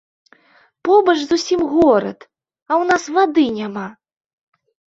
Побач зусім горад, а ў нас вады няма.